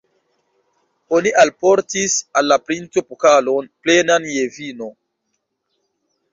Oni alportis al la princo pokalon, plenan je vino.